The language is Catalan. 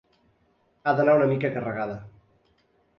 Ha d'anar una mica carregada.